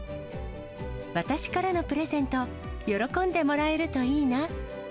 私からのプレゼント、喜んでもらえるといいな。